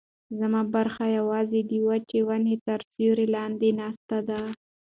زما برخه یوازې د وچې ونې تر سیوري لاندې ناسته ده.